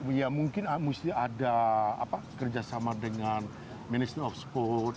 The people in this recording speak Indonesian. ya mungkin ada kerjasama dengan minister of support